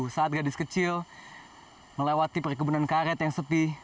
saat gadis kecil melewati perkebunan karet yang sepi